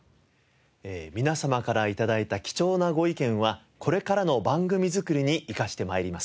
皆様から頂いた貴重なご意見はこれからの番組作りに生かして参ります。